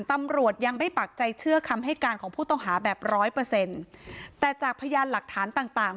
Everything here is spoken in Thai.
ตำรวจยังได้ปากใจเชื่อคำให้การของผู้ต้องหาแบบ๑๐๐แต่จากพยานหลักฐานต่าง